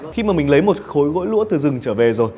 khi mà mình lấy một khối gỗ lũa từ rừng trở về rồi